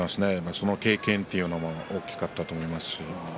その経験というのが大きかったと思います。